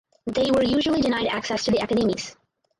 They were usually denied access to the academies.